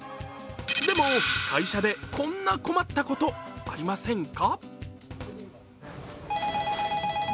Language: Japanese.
でも、会社でこんな困ったことありませんか？